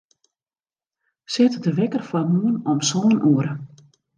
Set de wekker foar moarn om sân oere.